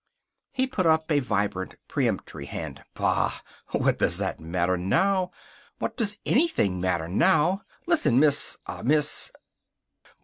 He put up a vibrant, peremptory hand. "Bah! What does that matter now! What does anything matter now! Listen Miss ah Miss